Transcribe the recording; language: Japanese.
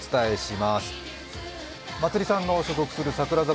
まつりさんの所属する櫻坂